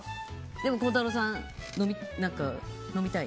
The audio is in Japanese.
でも孝太郎さん、飲みたい？